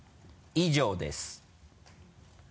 以上です。